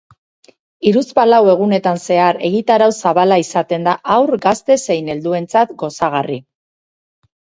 Hiruzpalau egunetan zehar, egitarau zabala izaten da haur, gazte zein helduentzat gozagarri.